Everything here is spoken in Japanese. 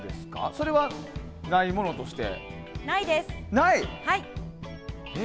それはないものとして？